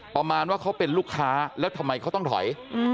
ประมาณว่าเขาเป็นลูกค้าแล้วทำไมเขาต้องถอย